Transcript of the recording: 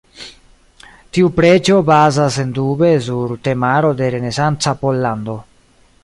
Tiu preĝo bazas sendube sur temaro de renesanca Pollando.